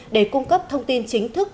để cung cấp thông tin chính thức